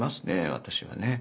私はね。